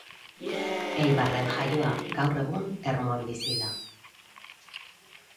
Eibarren jaioa, gaur egun Ermuan bizi da.